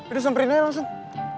udah semperin aja langsung